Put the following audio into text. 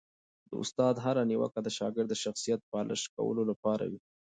د استاد هره نیوکه د شاګرد د شخصیت د پالش کولو لپاره وي.